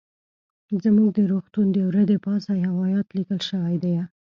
زموږ د روغتون د وره د پاسه يو ايت ليکل شوى ديه.